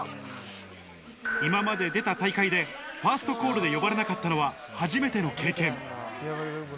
今まで出た大会で、ファーストコールで呼ばれなかったのは初めての経験。